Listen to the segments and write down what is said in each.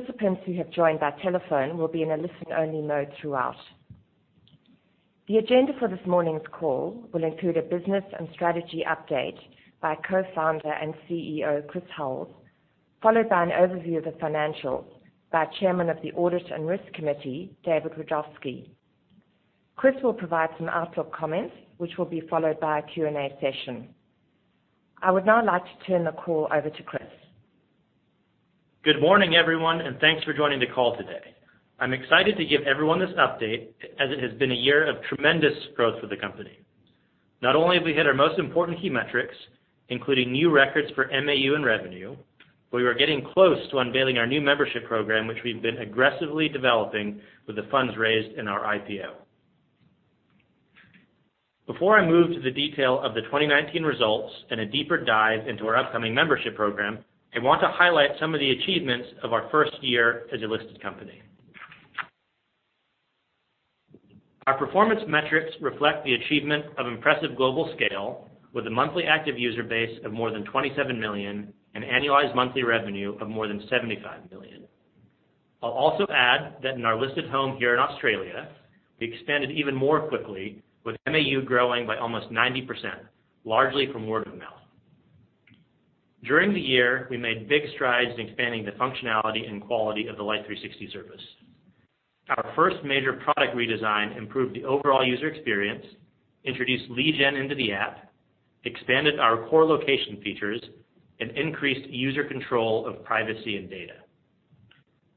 Participants who have joined by telephone will be in a listen-only mode throughout. The agenda for this morning's call will include a business and strategy update by Co-Founder and CEO, Chris Hulls, followed by an overview of the financials by Chairman of the Audit and Risk Committee, David Wiadrowski. Chris will provide some outlook comments, which will be followed by a Q&A session. I would now like to turn the call over to Chris. Good morning, everyone, and thanks for joining the call today. I'm excited to give everyone this update, as it has been a year of tremendous growth for the company. Not only have we hit our most important key metrics, including new records for MAU and revenue, but we are getting close to unveiling our new membership program, which we've been aggressively developing with the funds raised in our IPO. Before I move to the detail of the 2019 results and a deeper dive into our upcoming membership program, I want to highlight some of the achievements of our first year as a listed company. Our performance metrics reflect the achievement of impressive global scale with a monthly active user base of more than 27 million, and annualized monthly revenue of more than $75 million. I'll also add that in our listed home here in Australia, we expanded even more quickly with MAU growing by almost 90%, largely from word of mouth. During the year, we made big strides in expanding the functionality and quality of the Life360 service. Our first major product redesign improved the overall user experience, introduced lead gen into the app, expanded our core location features, and increased user control of privacy and data.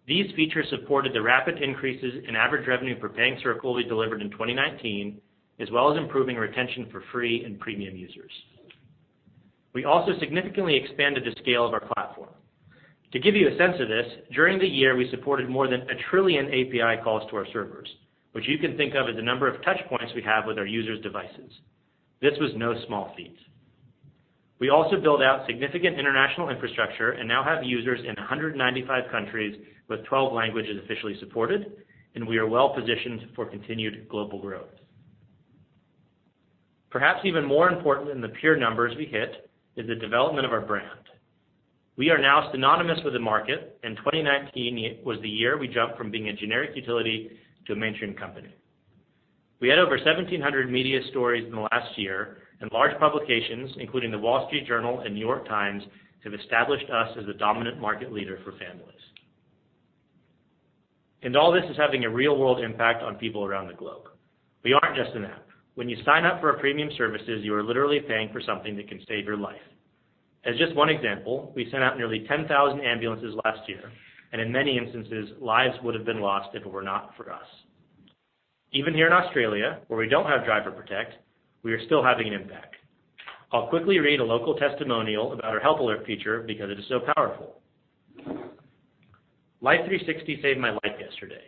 These features supported the rapid increases in average revenue per paying circle we delivered in 2019, as well as improving retention for free and premium users. We also significantly expanded the scale of our platform. To give you a sense of this, during the year, we supported more than a trillion API calls to our servers, which you can think of as the number of touch points we have with our users' devices. This was no small feat. We also built out significant international infrastructure and now have users in 195 countries, with 12 languages officially supported, and we are well-positioned for continued global growth. Perhaps even more important than the pure numbers we hit is the development of our brand. We are now synonymous with the market, and 2019 was the year we jumped from being a generic utility to a mainstream company. We had over 1,700 media stories in the last year, and large publications, including The Wall Street Journal and The New York Times, have established us as the dominant market leader for families. All this is having a real-world impact on people around the globe. We aren't just an app. When you sign up for our premium services, you are literally paying for something that can save your life. As just one example, we sent out nearly 10,000 ambulances last year, and in many instances, lives would have been lost if it were not for us. Even here in Australia, where we don't have Driver Protect, we are still having an impact. I'll quickly read a local testimonial about our help alert feature because it is so powerful. "Life360 saved my life yesterday.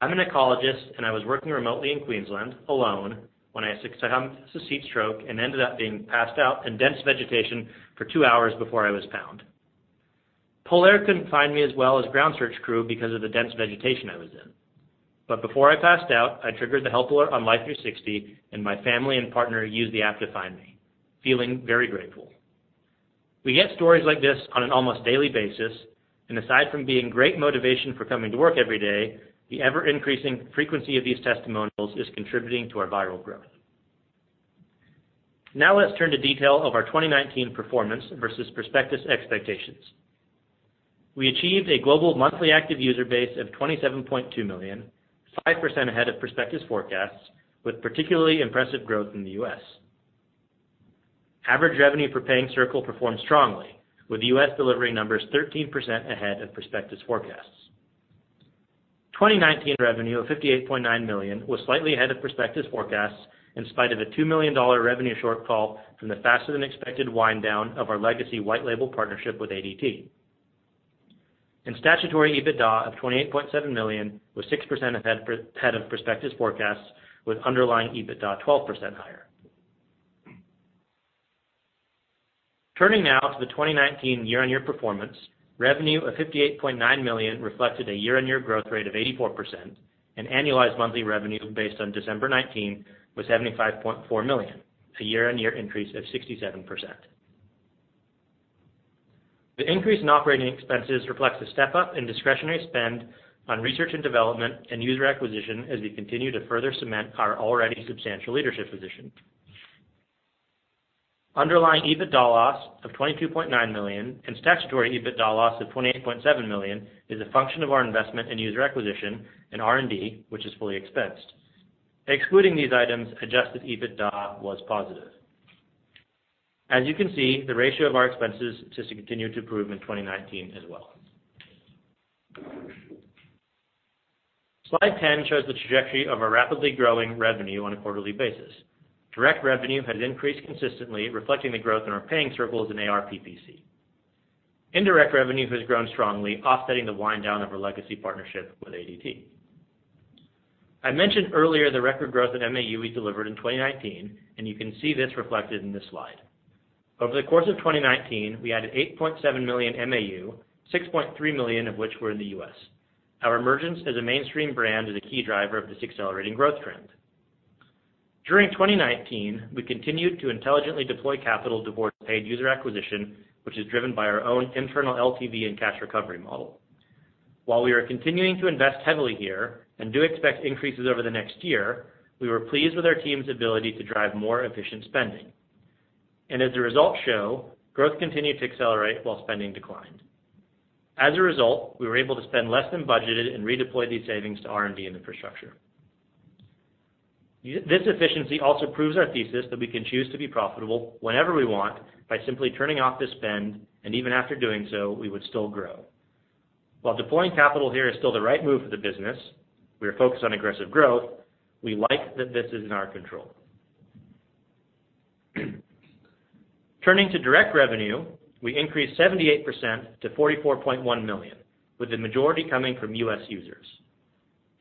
I'm an ecologist, and I was working remotely in Queensland, alone, when I suffered a heatstroke and ended up being passed out in dense vegetation for two hours before I was found. PolAir couldn't find me as well as ground search crew because of the dense vegetation I was in. Before I passed out, I triggered the help alert on Life360 and my family and partner used the app to find me. Feeling very grateful." We get stories like this on an almost daily basis, aside from being great motivation for coming to work every day, the ever-increasing frequency of these testimonials is contributing to our viral growth. Let's turn to detail of our 2019 performance versus prospectus expectations. We achieved a global monthly active user base of 27.2 million, 5% ahead of prospectus forecasts, with particularly impressive growth in the U.S. Average revenue per paying circle performed strongly, with U.S. delivering numbers 13% ahead of prospectus forecasts. 2019 revenue of $58.9 million was slightly ahead of prospectus forecasts in spite of a $2 million revenue shortfall from the faster-than-expected wind down of our legacy white label partnership with ADT. Statutory EBITDA of $28.7 million was 6% ahead of prospectus forecasts with underlying EBITDA 12% higher. Turning now to the 2019 year-on-year performance, revenue of $58.9 million reflected a year-on-year growth rate of 84%, and annualized monthly revenue based on December 2019 was $75.4 million, a year-on-year increase of 67%. The increase in operating expenses reflects a step-up in discretionary spend on research and development and user acquisition as we continue to further cement our already substantial leadership position. Underlying EBITDA loss of $22.9 million and statutory EBITDA loss of $28.7 million is a function of our investment in user acquisition and R&D, which is fully expensed. Excluding these items, adjusted EBITDA was positive. As you can see, the ratio of our expenses just continued to improve in 2019 as well. Slide 10 shows the trajectory of our rapidly growing revenue on a quarterly basis. Direct revenue has increased consistently, reflecting the growth in our paying circles and ARPPC. Indirect revenue has grown strongly, offsetting the wind down of our legacy partnership with ADT. I mentioned earlier the record growth in MAU we delivered in 2019, and you can see this reflected in this slide. Over the course of 2019, we added 8.7 million MAU, 6.3 million of which were in the U.S. Our emergence as a mainstream brand is a key driver of this accelerating growth trend. During 2019, we continued to intelligently deploy capital towards paid user acquisition, which is driven by our own internal LTV and cash recovery model. While we are continuing to invest heavily here and do expect increases over the next year, we were pleased with our team's ability to drive more efficient spending. As the results show, growth continued to accelerate while spending declined. As a result, we were able to spend less than budgeted and redeploy these savings to R&D and infrastructure. This efficiency also proves our thesis that we can choose to be profitable whenever we want by simply turning off this spend, and even after doing so, we would still grow. While deploying capital here is still the right move for the business, we are focused on aggressive growth, we like that this is in our control. Turning to direct revenue, we increased 78% to $44.1 million, with the majority coming from U.S. users.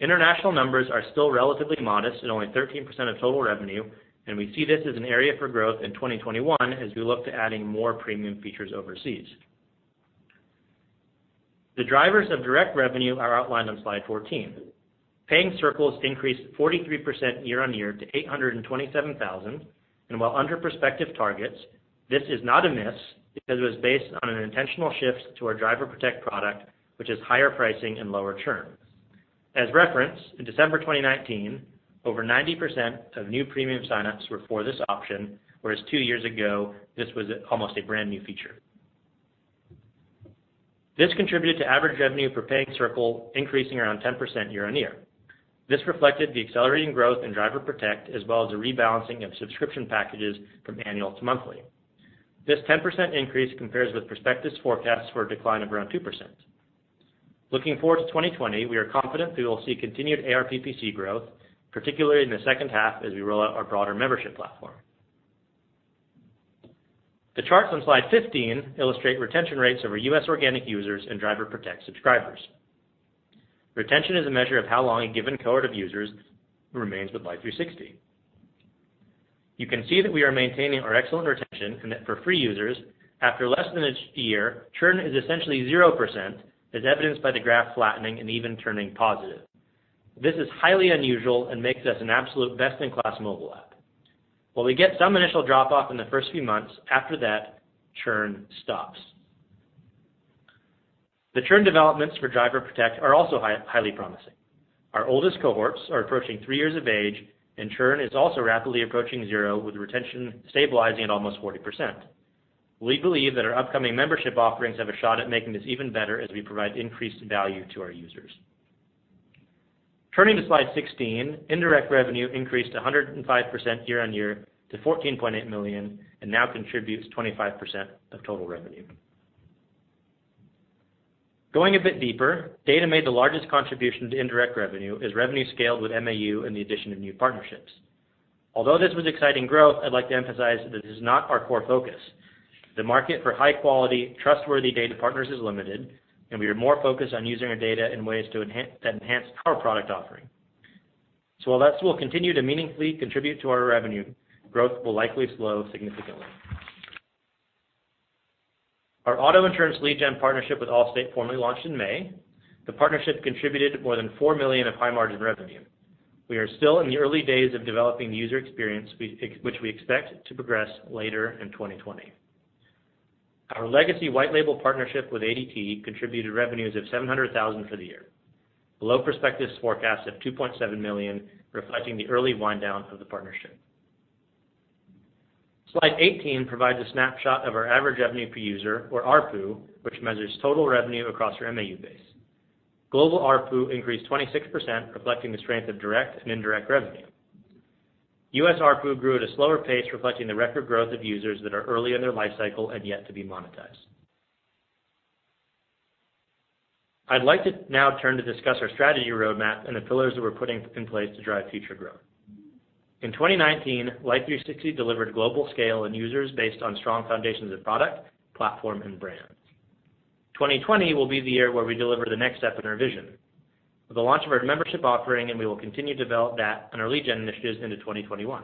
International numbers are still relatively modest at only 13% of total revenue, and we see this as an area for growth in 2021 as we look to adding more premium features overseas. The drivers of direct revenue are outlined on slide 14. Paying circles increased 43% year-on-year to 827,000. While under prospective targets, this is not a miss because it was based on an intentional shift to our Driver Protect product, which is higher pricing and lower churn. As referenced, in December 2019, over 90% of new premium signups were for this option, whereas two years ago, this was almost a brand-new feature. This contributed to average revenue per paying circle increasing around 10% year-on-year. This reflected the accelerating growth in Driver Protect, as well as a rebalancing of subscription packages from annual to monthly. This 10% increase compares with prospectus forecasts for a decline of around 2%. Looking forward to 2020, we are confident we will see continued ARPPC growth, particularly in the second half as we roll out our broader membership platform. The charts on slide 15 illustrate retention rates of our U.S. organic users and Driver Protect subscribers. Retention is a measure of how long a given cohort of users remains with Life360. You can see that we are maintaining our excellent retention, and that for free users, after less than a year, churn is essentially 0%, as evidenced by the graph flattening and even turning positive. This is highly unusual and makes us an absolute best-in-class mobile app. While we get some initial drop-off in the first few months, after that, churn stops. The churn developments for Driver Protect are also highly promising. Our oldest cohorts are approaching three years of age, and churn is also rapidly approaching zero, with retention stabilizing at almost 40%. We believe that our upcoming membership offerings have a shot at making this even better as we provide increased value to our users. Turning to slide 16, indirect revenue increased 105% year-on-year to $14.8 million and now contributes 25% of total revenue. Going a bit deeper, data made the largest contribution to indirect revenue as revenue scaled with MAU and the addition of new partnerships. Although this was exciting growth, I'd like to emphasize that this is not our core focus. The market for high-quality, trustworthy data partners is limited, and we are more focused on using our data in ways to enhance our product offering. While that will continue to meaningfully contribute to our revenue, growth will likely slow significantly. Our auto insurance lead gen partnership with Allstate formally launched in May. The partnership contributed more than $4 million of high-margin revenue. We are still in the early days of developing the user experience, which we expect to progress later in 2020. Our legacy white label partnership with ADT contributed revenues of $700,000 for the year, below prospectus forecasts of $2.7 million, reflecting the early wind down of the partnership. Slide 18 provides a snapshot of our average revenue per user or ARPU, which measures total revenue across our MAU base. Global ARPU increased 26%, reflecting the strength of direct and indirect revenue. U.S. ARPU grew at a slower pace, reflecting the rapid growth of users that are early in their life cycle and yet to be monetized. I'd like to now turn to discuss our strategy roadmap and the pillars that we're putting in place to drive future growth. In 2019, Life360 delivered global scale and users based on strong foundations of product, platform, and brand. 2020 will be the year where we deliver the next step in our vision with the launch of our membership offering, and we will continue to develop that and our lead gen initiatives into 2021.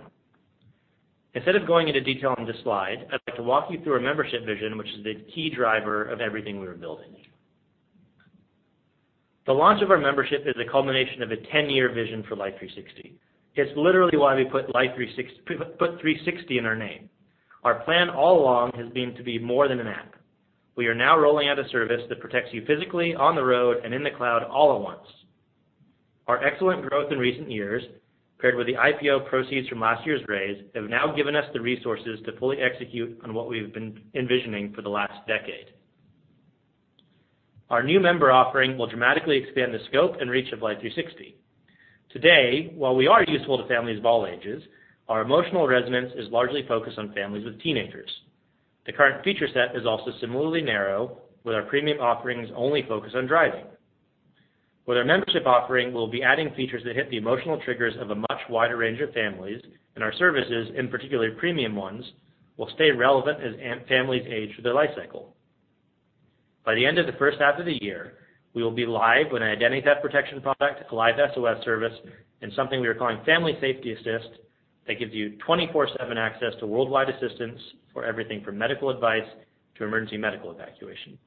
Instead of going into detail on this slide, I'd like to walk you through our membership vision, which is the key driver of everything we are building. The launch of our membership is a culmination of a 10-year vision for Life360. It's literally why we put 360 in our name. Our plan all along has been to be more than an app. We are now rolling out a service that protects you physically, on the road, and in the cloud all at once. Our excellent growth in recent years, paired with the IPO proceeds from last year's raise, have now given us the resources to fully execute on what we've been envisioning for the last decade. Our new member offering will dramatically expand the scope and reach of Life360. Today, while we are useful to families of all ages, our emotional resonance is largely focused on families with teenagers. The current feature set is also similarly narrow, with our premium offerings only focused on driving. With our membership offering, we'll be adding features that hit the emotional triggers of a much wider range of families, and our services, in particular premium ones, will stay relevant as families age through their life cycle. By the end of the first half of the year, we will be live with an identity theft protection product, a live SOS service, and something we are calling Family Safety Assist that gives you 24/7 access to worldwide assistance for everything from medical advice to emergency medical evacuation.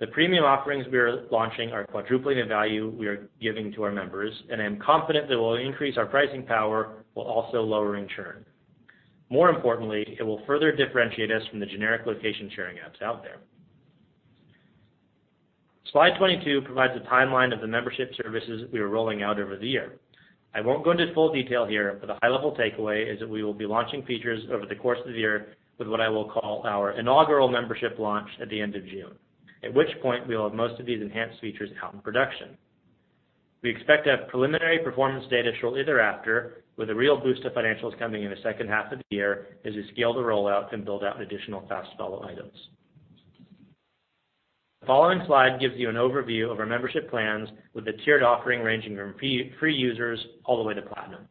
I am confident that we'll increase our pricing power while also lowering churn. More importantly, it will further differentiate us from the generic location sharing apps out there. Slide 22 provides a timeline of the membership services we are rolling out over the year. I won't go into full detail here, but the high level takeaway is that we will be launching features over the course of the year with what I will call our inaugural membership launch at the end of June, at which point we'll have most of these enhanced features out in production. We expect to have preliminary performance data shortly thereafter, with a real boost to financials coming in the second half of the year as we scale the rollout and build out additional fast follow items. The following slide gives you an overview of our membership plans with a tiered offering, ranging from free users all the way to platinum.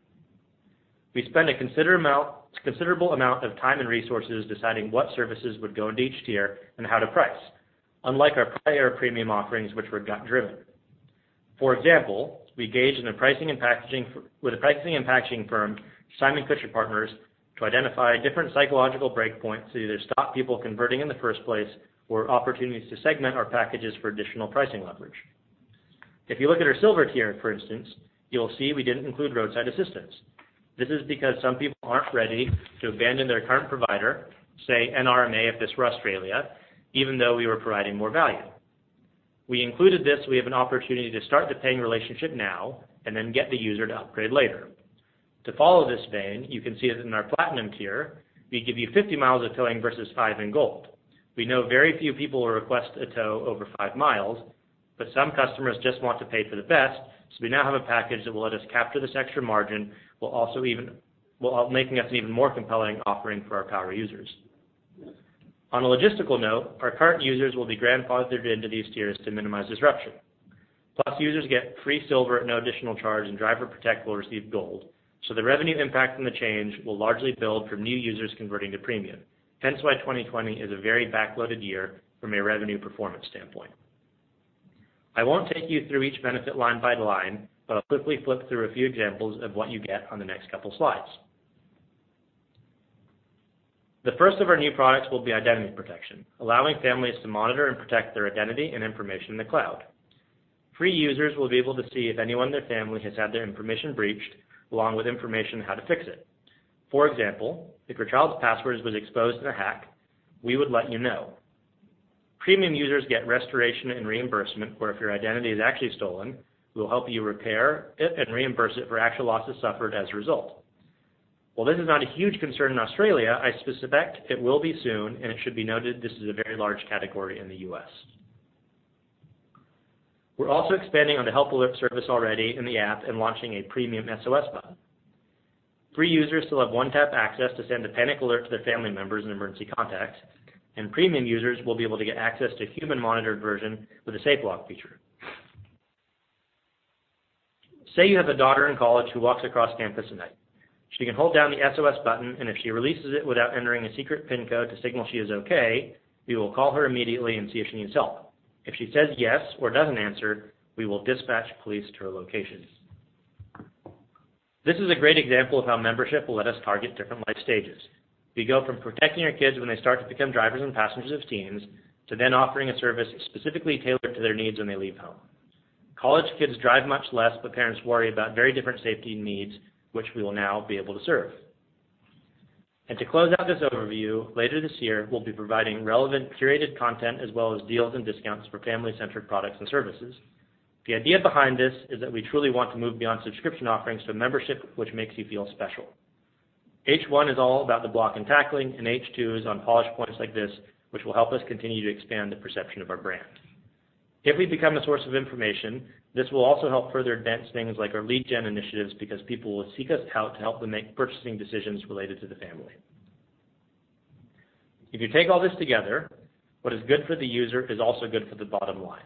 We spent a considerable amount of time and resources deciding what services would go into each tier and how to price, unlike our prior premium offerings, which were gut driven. For example, we engaged with a pricing and packaging firm, Simon-Kucher & Partners, to identify different psychological breakpoints to either stop people converting in the first place or opportunities to segment our packages for additional pricing leverage. If you look at our silver tier, for instance, you'll see we didn't include roadside assistance. This is because some people aren't ready to abandon their current provider, say NRMA if it's for Australia, even though we were providing more value. We included this, so we have an opportunity to start the paying relationship now and then get the user to upgrade later. To follow this vein, you can see it in our platinum tier, we give you 50 miles of towing versus five in gold. Some customers just want to pay for the best, so we now have a package that will let us capture this extra margin, while making us an even more compelling offering for our current users. On a logistical note, our current users will be grandfathered into these tiers to minimize disruption. Users get free silver at no additional charge, and Driver Protect will receive gold, so the revenue impact from the change will largely build from new users converting to premium, hence why 2020 is a very back-loaded year from a revenue performance standpoint. I won't take you through each benefit line by line, but I'll quickly flip through a few examples of what you get on the next couple slides. The first of our new products will be identity protection, allowing families to monitor and protect their identity and information in the cloud. Free users will be able to see if anyone in their family has had their information breached, along with information on how to fix it. For example, if your child's passwords was exposed in a hack, we would let you know. Premium users get restoration and reimbursement, where if your identity is actually stolen, we'll help you repair it and reimburse it for actual losses suffered as a result. While this is not a huge concern in Australia, I suspect it will be soon, and it should be noted this is a very large category in the U.S. We're also expanding on the help alert service already in the app and launching a premium SOS button. Free users still have one-tap access to send a panic alert to their family members and emergency contacts, and premium users will be able to get access to a human monitored version with a safe walk feature. Say you have a daughter in college who walks across campus at night. She can hold down the SOS button, and if she releases it without entering a secret pin code to signal she is okay, we will call her immediately and see if she needs help. If she says yes or doesn't answer, we will dispatch police to her location. This is a great example of how membership will let us target different life stages. We go from protecting our kids when they start to become drivers and passengers as teens, to then offering a service specifically tailored to their needs when they leave home. College kids drive much less, but parents worry about very different safety needs, which we will now be able to serve. To close out this overview, later this year, we'll be providing relevant curated content as well as deals and discounts for family-centric products and services. The idea behind this is that we truly want to move beyond subscription offerings to a membership which makes you feel special. H1 is all about the block and tackling, and H2 is on polish points like this, which will help us continue to expand the perception of our brand. If we become a source of information, this will also help further advance things like our lead gen initiatives, because people will seek us out to help them make purchasing decisions related to the family. If you take all this together, what is good for the user is also good for the bottom line.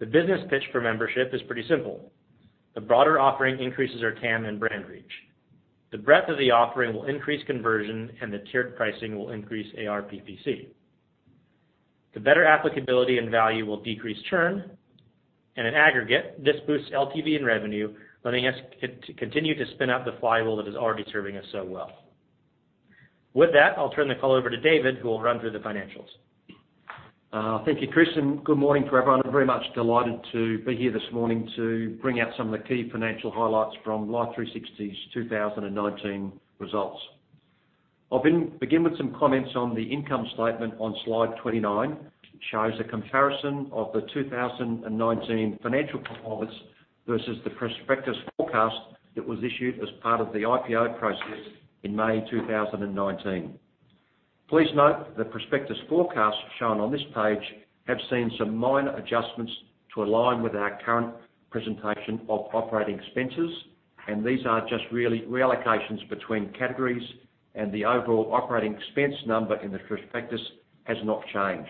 The business pitch for membership is pretty simple. The broader offering increases our TAM and brand reach. The breadth of the offering will increase conversion, and the tiered pricing will increase ARPPC. The better applicability and value will decrease churn. In aggregate, this boosts LTV and revenue, letting us continue to spin up the flywheel that is already serving us so well. With that, I'll turn the call over to David, who will run through the financials. Thank you, Chris. Good morning to everyone. I'm very much delighted to be here this morning to bring out some of the key financial highlights from Life360's 2019 results. I'll begin with some comments on the income statement on slide 29, which shows a comparison of the 2019 financial performance versus the prospectus forecast that was issued as part of the IPO process in May 2019. Please note the prospectus forecasts shown on this page have seen some minor adjustments to align with our current presentation of operating expenses. These are just reallocations between categories and the overall operating expense number in the prospectus has not changed.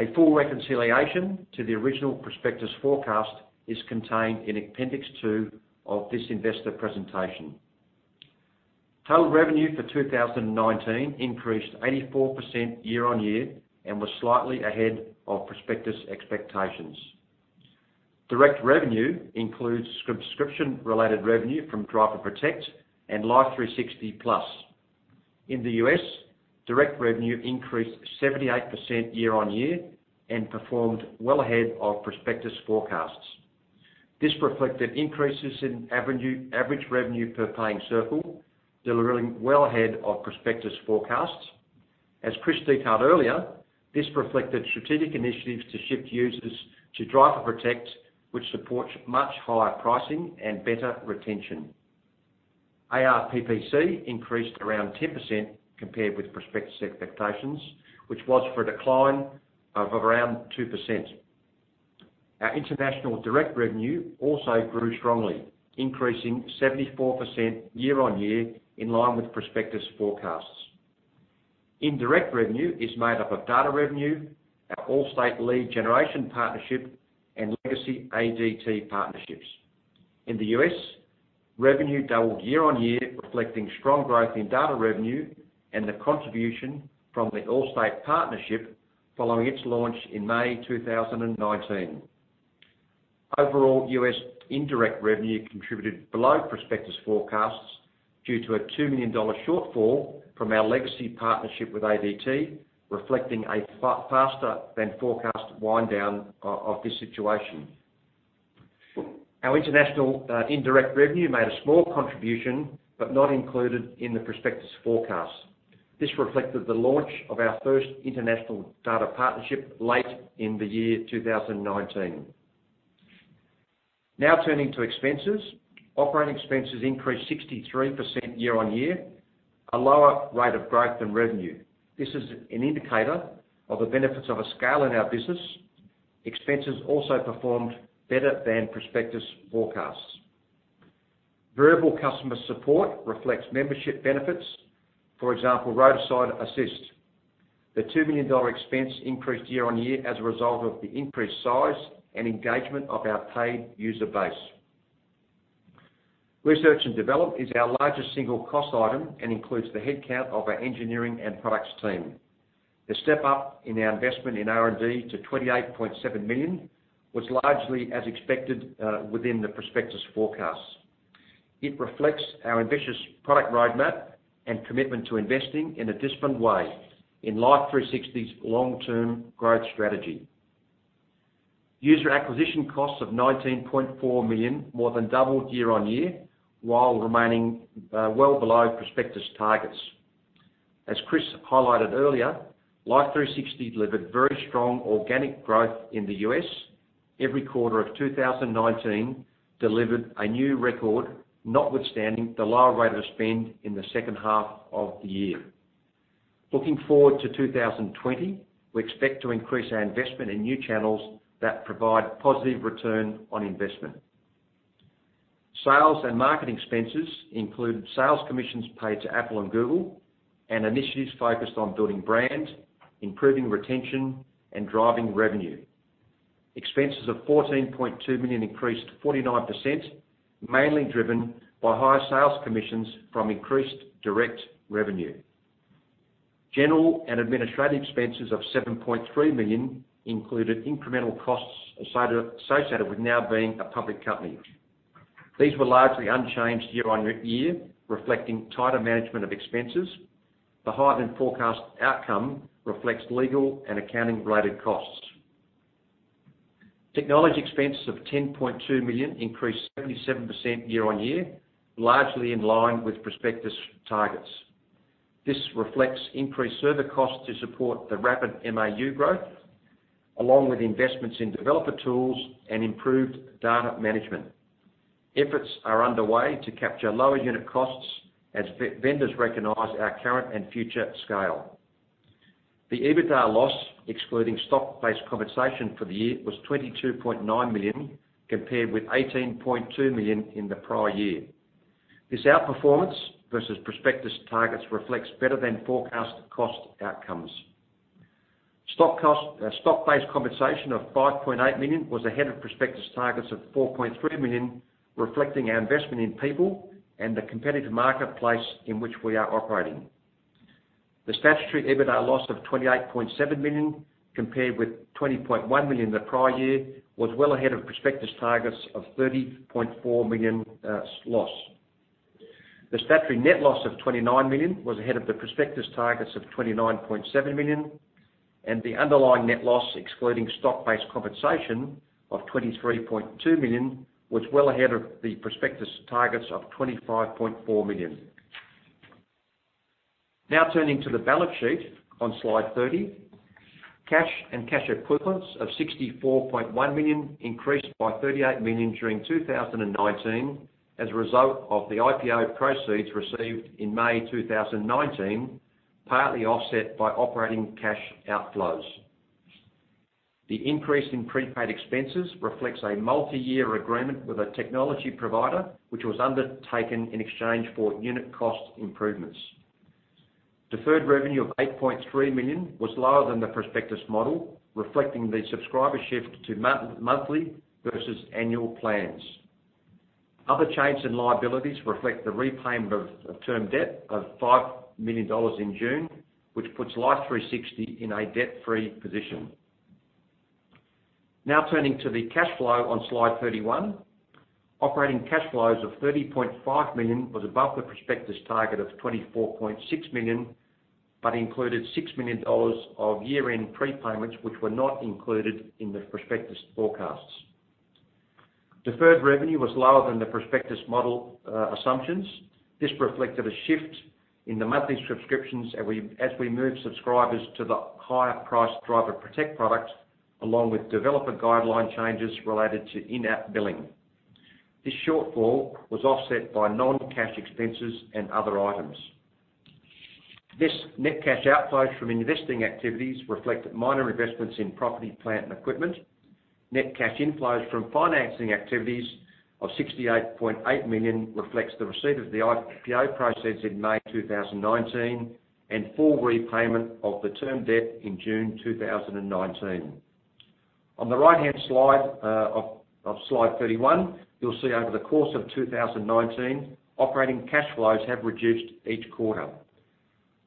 A full reconciliation to the original prospectus forecast is contained in appendix two of this investor presentation. Total revenue for 2019 increased 84% year-on-year and was slightly ahead of prospectus expectations. Direct revenue includes subscription-related revenue from Driver Protect and Life360 Plus. In the U.S., direct revenue increased 78% year-on-year and performed well ahead of prospectus forecasts. This reflected increases in average revenue per paying circle, delivering well ahead of prospectus forecasts. As Chris detailed earlier, this reflected strategic initiatives to shift users to Driver Protect, which supports much higher pricing and better retention. ARPPC increased around 10% compared with prospectus expectations, which was for a decline of around 2%. Our international direct revenue also grew strongly, increasing 74% year-on-year in line with prospectus forecasts. Indirect revenue is made up of data revenue, our Allstate lead generation partnership, and legacy ADT partnerships. In the U.S., revenue doubled year-on-year, reflecting strong growth in data revenue and the contribution from the Allstate partnership following its launch in May 2019. Overall, U.S. indirect revenue contributed below prospectus forecasts due to a $2 million shortfall from our legacy partnership with ADT, reflecting a faster than forecast wind down of this situation. Our international indirect revenue made a small contribution, not included in the prospectus forecasts. This reflected the launch of our first international data partnership late in the year 2019. Turning to expenses. Operating expenses increased 63% year-on-year, a lower rate of growth than revenue. This is an indicator of the benefits of a scale in our business. Expenses also performed better than prospectus forecasts. Variable customer support reflects membership benefits. For example, roadside assist. The $2 million expense increased year-on-year as a result of the increased size and engagement of our paid user base. Research and development is our largest single cost item and includes the headcount of our engineering and products team. The step up in our investment in R&D to $28.7 million was largely as expected within the prospectus forecasts. It reflects our ambitious product roadmap and commitment to investing in a disciplined way in Life360's long-term growth strategy. User acquisition costs of $19.4 million more than doubled year-on-year, while remaining well below prospectus targets. As Chris highlighted earlier, Life360 delivered very strong organic growth in the U.S. Every quarter of 2019 delivered a new record, notwithstanding the lower rate of spend in the second half of the year. Looking forward to 2020, we expect to increase our investment in new channels that provide positive ROI. Sales and marketing expenses include sales commissions paid to Apple and Google, and initiatives focused on building brand, improving retention, and driving revenue. Expenses of $14.2 million increased 49%, mainly driven by higher sales commissions from increased direct revenue. General and administrative expenses of $7.3 million included incremental costs associated with now being a public company. These were largely unchanged year-over-year, reflecting tighter management of expenses. The higher than forecast outcome reflects legal and accounting related costs. Technology expenses of $10.2 million increased 77% year-over-year, largely in line with prospectus targets. This reflects increased server costs to support the rapid MAU growth, along with investments in developer tools and improved data management. Efforts are underway to capture lower unit costs as vendors recognize our current and future scale. The EBITDA loss, excluding stock-based compensation for the year, was $22.9 million, compared with $18.2 million in the prior year. This outperformance versus prospectus targets reflects better than forecast cost outcomes. Stock-based compensation of $5.8 million was ahead of prospectus targets of $4.3 million, reflecting our investment in people and the competitive marketplace in which we are operating. The statutory EBITDA loss of $28.7 million, compared with $20.1 million the prior year, was well ahead of prospectus targets of $30.4 million loss. The statutory net loss of $29 million was ahead of the prospectus targets of $29.7 million, and the underlying net loss excluding stock-based compensation of $23.2 million, was well ahead of the prospectus targets of $25.4 million. Turning to the balance sheet on slide 30. Cash and cash equivalents of $64.1 million increased by $38 million during 2019 as a result of the IPO proceeds received in May 2019, partly offset by operating cash outflows. The increase in prepaid expenses reflects a multi-year agreement with a technology provider, which was undertaken in exchange for unit cost improvements. Deferred revenue of $8.3 million was lower than the prospectus model, reflecting the subscriber shift to monthly versus annual plans. Other changes in liabilities reflect the repayment of term debt of $5 million in June, which puts Life360 in a debt-free position. Now turning to the cash flow on slide 31. Operating cash flows of $30.5 million was above the prospectus target of $24.6 million, but included $6 million of year-end prepayments, which were not included in the prospectus forecasts. Deferred revenue was lower than the prospectus model assumptions. This reflected a shift in the monthly subscriptions as we moved subscribers to the higher priced Driver Protect product, along with developer guideline changes related to in-app billing. This shortfall was offset by non-cash expenses and other items. This net cash outflows from investing activities reflected minor investments in property, plant, and equipment. Net cash inflows from financing activities of $68.8 million reflects the receipt of the IPO proceeds in May 2019, and full repayment of the term debt in June 2019. On the right-hand slide of slide 31, you'll see over the course of 2019, operating cash flows have reduced each quarter.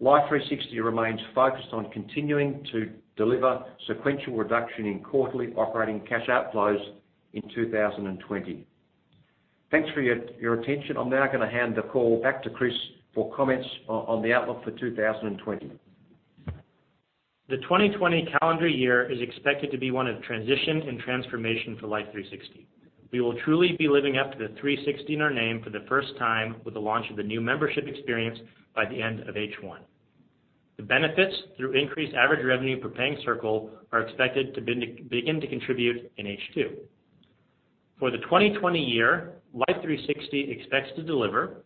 Life360 remains focused on continuing to deliver sequential reduction in quarterly operating cash outflows in 2020. Thanks for your attention. I'm now going to hand the call back to Chris for comments on the outlook for 2020. The 2020 calendar year is expected to be one of transition and transformation for Life360. We will truly be living up to the 360 in our name for the first time with the launch of the new membership experience by the end of H1. The benefits through increased average revenue per paying circle are expected to begin to contribute in H2. For the 2020 year, Life360 expects to deliver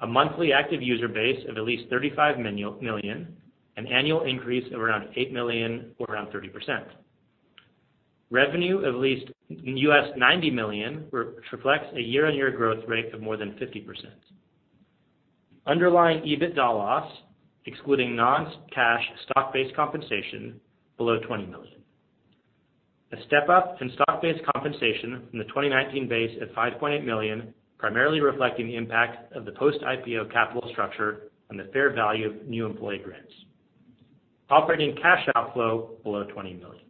a monthly active user base of at least 35 million, an annual increase of around eight million or around 30%. Revenue of at least $90 million, which reflects a year-on-year growth rate of more than 50%. Underlying EBITDA loss, excluding non-cash stock-based compensation below $20 million. A step-up in stock-based compensation from the 2019 base at $5.8 million, primarily reflecting the impact of the post-IPO capital structure on the fair value of new employee grants. Operating cash outflow below $20 million.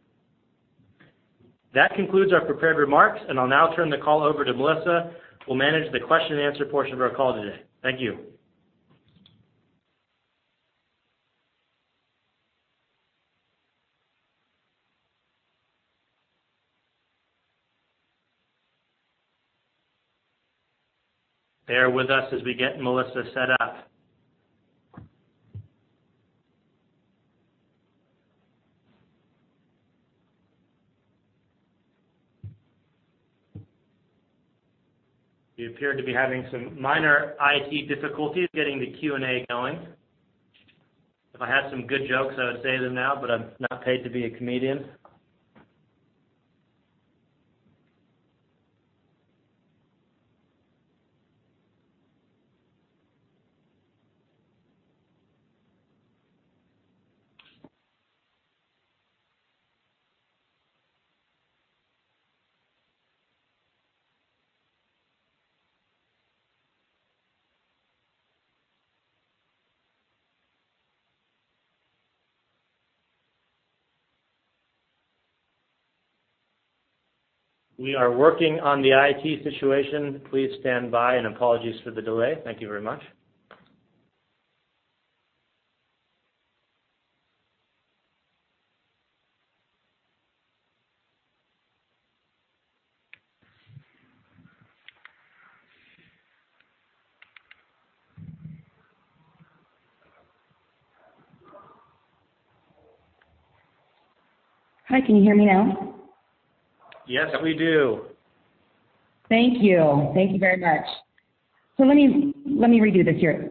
That concludes our prepared remarks, and I'll now turn the call over to Melissa, who will manage the question and answer portion of our call today. Thank you. Bear with us as we get Melissa set up. We appear to be having some minor IT difficulties getting the Q&A going. If I had some good jokes, I would say them now, but I'm not paid to be a comedian. We are working on the IT situation. Please stand by and apologies for the delay. Thank you very much. Hi, can you hear me now? Yes, we do. Thank you. Thank you very much. Let me redo this here.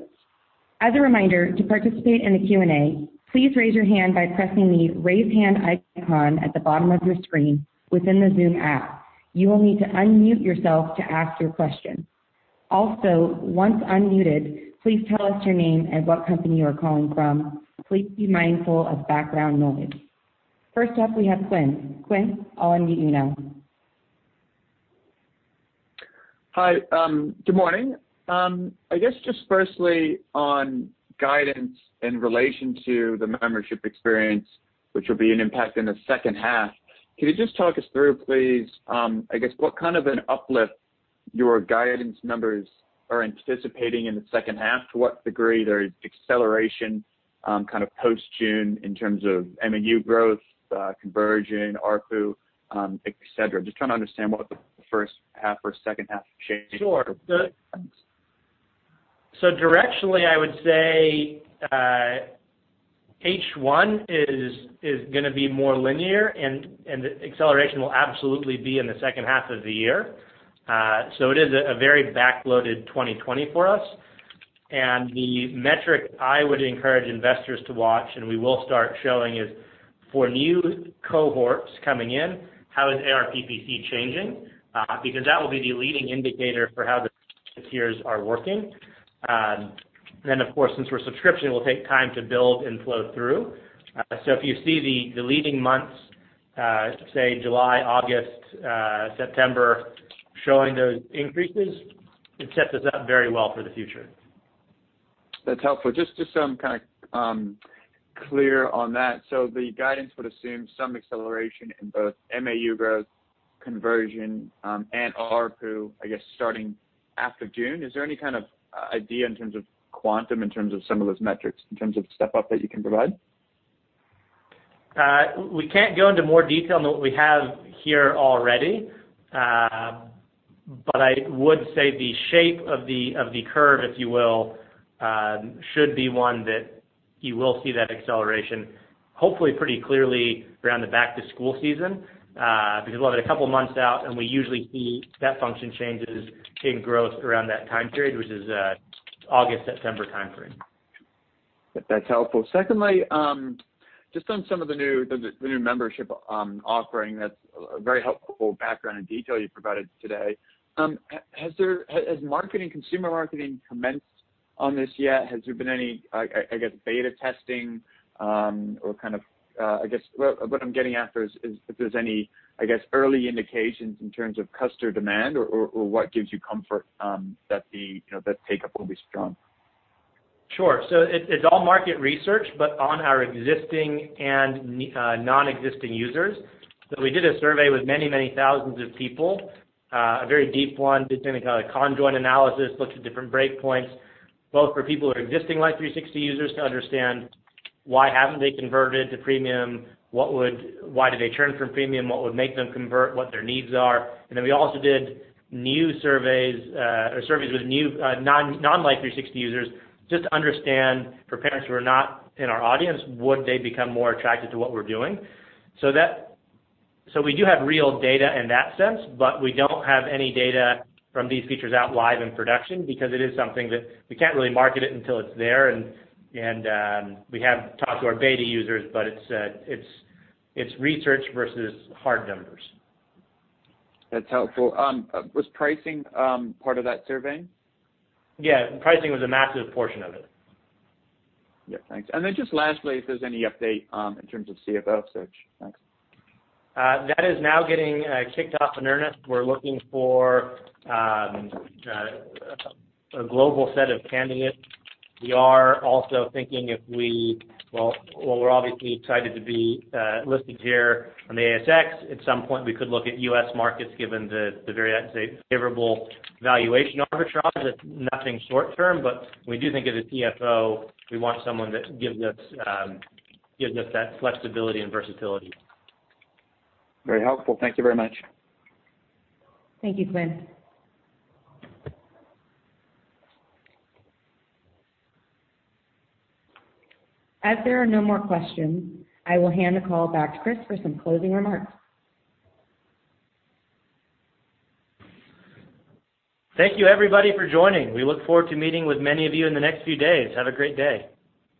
As a reminder, to participate in the Q&A, please raise your hand by pressing the raise hand icon at the bottom of your screen within the Zoom app. You will need to unmute yourself to ask your question. Also, once unmuted, please tell us your name and what company you are calling from. Please be mindful of background noise. First up, we have Quinn. Quinn, I'll unmute you now. Hi. Good morning. I guess just firstly on guidance in relation to the membership experience, which will be an impact in the second half, can you just talk us through, please, I guess what kind of an uplift your guidance numbers are anticipating in the second half? To what degree there is acceleration kind of post-June in terms of MAU growth, conversion, ARPU, et cetera? Just trying to understand what the first half or second half changes are. Sure. Directionally, I would say H1 is going to be more linear and the acceleration will absolutely be in the second half of the year. It is a very back-loaded 2020 for us. The metric I would encourage investors to watch, and we will start showing is for new cohorts coming in, how is ARPPC changing? Because that will be the leading indicator for how the tiers are working. Of course, since we're subscription, we'll take time to build and flow through. If you see the leading months, say July, August, September showing those increases, it sets us up very well for the future. That's helpful. Just so I'm clear on that, the guidance would assume some acceleration in both MAU growth conversion and ARPU, I guess, starting after June. Is there any idea in terms of quantum, in terms of some of those metrics, in terms of step up that you can provide? We can't go into more detail than what we have here already. I would say the shape of the curve, if you will, should be one that you will see that acceleration, hopefully pretty clearly around the back-to-school season, because we'll have a couple of months out and we usually see that function changes in growth around that time period, which is August-September time frame. That's helpful. Secondly, just on some of the new membership offering that's very helpful background and detail you provided today. Has consumer marketing commenced on this yet? Has there been any, I guess, beta testing or what I'm getting at is if there's any early indications in terms of customer demand or what gives you comfort that the take-up will be strong? Sure. It's all market research, but on our existing and non-existing users. We did a survey with many thousands of people, a very deep one. Did something called a conjoint analysis, looked at different break points, both for people who are existing Life360 users to understand why haven't they converted to premium, why did they churn from premium, what would make them convert, what their needs are. We also did surveys with non-Life360 users just to understand for parents who are not in our audience, would they become more attracted to what we're doing? We do have real data in that sense, but we don't have any data from these features out live in production because it is something that we can't really market it until it's there, and we have talked to our beta users, but it's research versus hard numbers. That's helpful. Was pricing part of that survey? Yeah. Pricing was a massive portion of it. Yeah, thanks. Just lastly, if there's any update in terms of CFO search. Thanks. That is now getting kicked off in earnest. We're looking for a global set of candidates. We are also thinking, well, we're obviously excited to be listed here on the ASX. At some point, we could look at U.S. markets, given the very favorable valuation arbitrage. It's nothing short-term, but we do think as a CFO, we want someone that gives us that flexibility and versatility. Very helpful. Thank you very much. Thank you, Quinn. As there are no more questions, I will hand the call back to Chris for some closing remarks. Thank you everybody for joining. We look forward to meeting with many of you in the next few days. Have a great day.